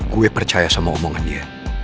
gue percaya sama omongan dia